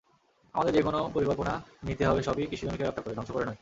আমাদের যেকোনো পরিকল্পনা নিতে হবে সবই কৃষিজমিকে রক্ষা করে—ধ্বংস করে নয়।